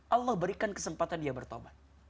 allah berikan kesempatan dia bertobat